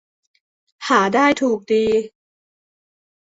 หาได้ถูกดึ